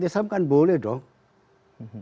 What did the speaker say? islam kan boleh dong